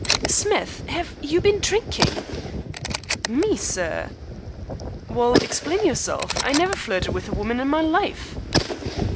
"Smith, have you been drinking?" "Me, sir?" "Well, explain yourself. I never flirted with a woman in my life."